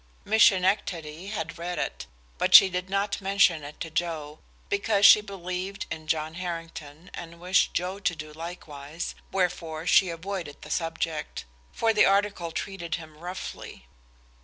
Miss Schenectady had read it, but she did not mention it to Joe, because she believed in John Harrington, and wished Joe to do likewise, wherefore she avoided the subject; for the article treated him roughly.